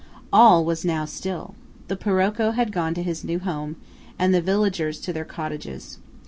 All was now still. The Paroco had gone to his new home, and the villagers to their cottages.